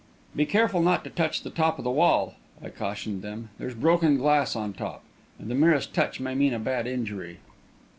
"Be careful not to touch the top of the wall," I cautioned them; "there's broken glass on top, and the merest touch may mean a bad injury."